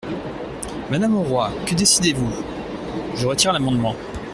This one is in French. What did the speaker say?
Madame Auroi, que décidez-vous ? Je retire l’amendement.